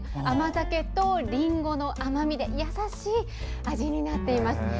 甘酒とりんごの甘みで優しい味になっています。